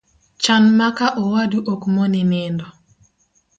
Chan ma ka owadu ok moni nindo